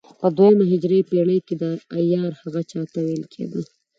په دوهمه هجري پېړۍ کې عیار هغه چا ته ویل کېده.